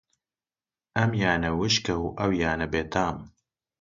ئەمیانە وشکە و ئەویانە بێتام